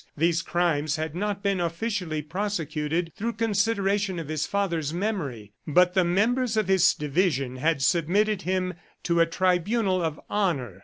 These crimes had not been officially prosecuted through consideration of his father's memory, but the members of his division had submitted him to a tribunal of honor.